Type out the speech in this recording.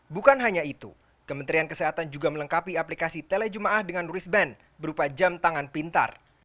bukan hanya itu kementerian kesehatan juga melengkapi aplikasi telejemaah dengan risk band berupa jam tangan pintar